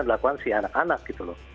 dilakukan si anak anak gitu loh